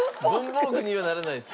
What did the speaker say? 文房具にはならないです。